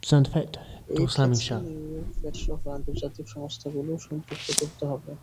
এ ক্ষেত্রে নিউইয়র্ক ফেডসহ আন্তর্জাতিক সংস্থাগুলোকেও সম্পৃক্ত করতে হবে।